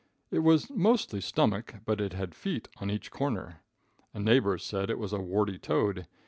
It was mostly stomach, but it had feet on each corner. A neighbor said it was a warty toad.